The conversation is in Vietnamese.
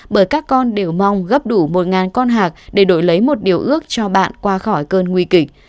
bởi các con đều mong gấp đủ một con hạc để đổi lấy một điều ước cho bạn qua khỏi cơn nguy kịch